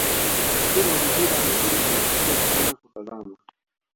mchezo wa mpira wa miguu unavutia sana kutazama